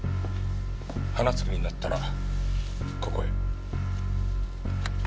話す気になったらここへ。